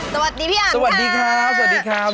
สวัสดีพี่อันค่ะสวัสดีครับ